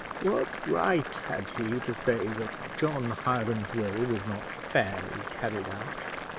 What right had he to say that John Hiram's will was not fairly carried out?